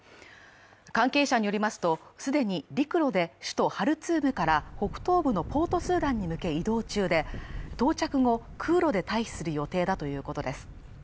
関係者によりますと、既に陸路で北東部のポートスーダンに向け移動中で、到着後、空路で退避する予定だということです。